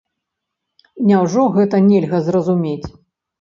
Няўжо гэта нельга зразумець.